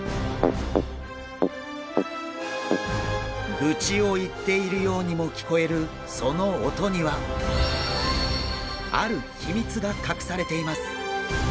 グチを言っているようにも聞こえるその音にはある秘密が隠されています！